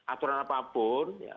aturan apapun ya